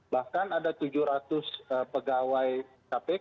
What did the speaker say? bahkan ada tujuh ratus pegawai kpk